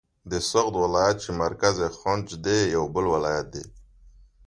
د سغد ولایت چې مرکز یې خجند دی یو بل ولایت دی.